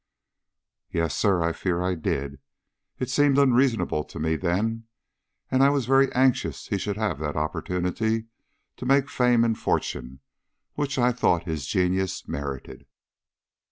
"Yes, sir; I fear I did. It seemed unreasonable to me then, and I was very anxious he should have that opportunity to make fame and fortune which I thought his genius merited."